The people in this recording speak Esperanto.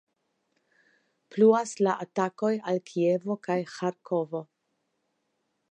Pluas la atakoj al Kievo kaj Ĥarkovo.